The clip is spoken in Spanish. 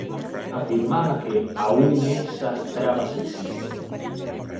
Afirmaba que ""Aún esas trabas existen.